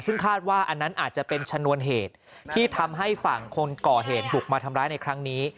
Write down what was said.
ซึ่งคาดว่าอันนั้นอาจจะเป็นชนวนเหตุที่ทำให้ฝั่งคนก่อเหตุบุกมาทำร้ายในครั้งนี้